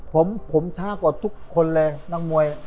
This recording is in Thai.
ผมช่ากว่าทุกคนเลย